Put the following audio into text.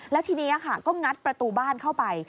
แล้วทีนี้ค่ะก็งัดประตูบ้านเข้าไป